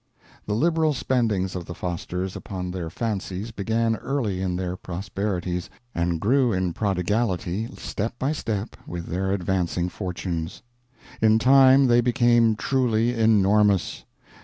The liberal spendings of the Fosters upon their fancies began early in their prosperities, and grew in prodigality step by step with their advancing fortunes. In time they became truly enormous.